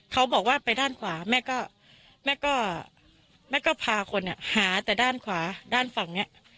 เขาบอกว่าไปด้านขวาแม่ก็พาคนเนี่ยหาแต่ด้านขวาด้านฝั่งเนี่ย